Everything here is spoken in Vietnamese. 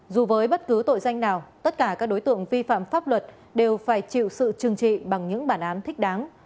dù với bất cứ tội danh nào tất cả các đối tượng vi phạm pháp luật đều phải chịu sự trừng trị bằng những bản án thích đáng